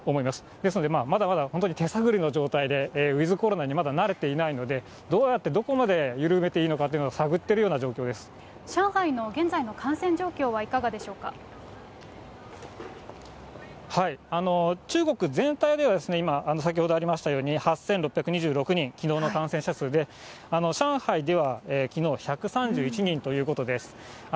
ですので、まだまだ本当に手探りの状態で、ウィズコロナにまだ慣れていないので、どうやって、どこまで緩めていいのかを探っている上海の現在の感染状況はいか中国全体では今先ほどありましたように、８６２６人、きのうの感染者数で、上海ではきのう１３１人ということです。